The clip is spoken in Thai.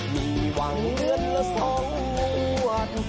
มีวางเลือดละ๒งวด